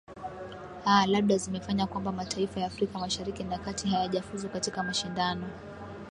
aa labda zimefanya kwamba mataifa ya afrika mashariki na kati hayajafuzu katika mashindano